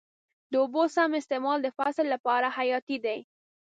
د اوبو سم استعمال د فصل لپاره حیاتي دی.